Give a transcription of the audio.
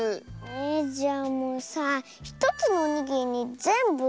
えじゃあもうさ１つのおにぎりにぜんぶ